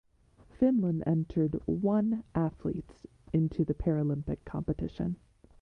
Finland entered one athletes into the Paralympic competition.